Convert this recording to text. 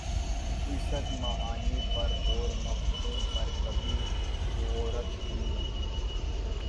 اسک معانی پر اور مفہوم پر کبھی غورک بھی نہیں